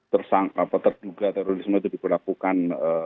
tersangka atau terduga terorisme itu diperlakukan